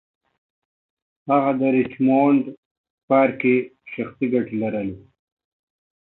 هغه د ریچمونډ په پارک کې شخصي ګټې لرلې.